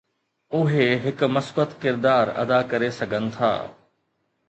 اهي هڪ مثبت ڪردار ادا ڪري سگهن ٿا.